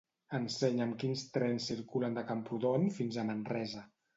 Ensenya'm quins trens circulen de Camprodon fins a Manresa.